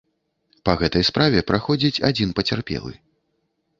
Па гэтай справе праходзіць адзін пацярпелы.